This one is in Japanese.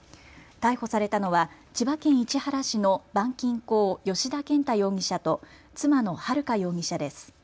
逮捕されたのは千葉県市原市の板金工、吉田健太容疑者と妻の悠容疑者です。